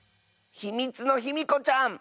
「ひみつのヒミコちゃん」！